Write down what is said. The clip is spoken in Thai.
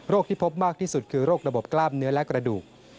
ที่พบมากที่สุดคือโรคระบบกล้ามเนื้อและกระดูก